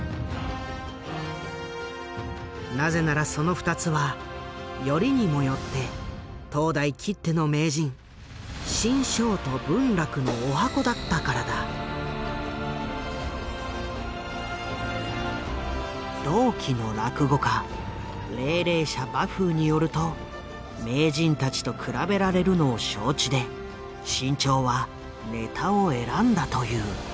なぜならその２つはよりにもよって当代きっての名人志ん生と文楽の同期の落語家鈴々舎馬風によると名人たちと比べられるのを承知で志ん朝はネタを選んだという。